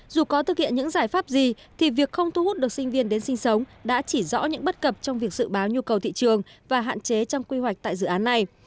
dù có thực hiện những giải pháp gì thì việc không thu hút được sinh viên đến sinh sống đã chỉ rõ những bất cập trong việc dự báo nhu cầu thị trường và hạn chế trong quy hoạch tại dự án này